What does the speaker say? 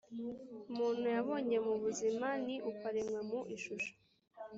muntu yabonye mu buzima ni uko aremwe mu ishusho